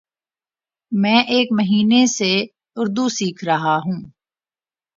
میں ایک مہینہ سے اردو سیکھرہاہوں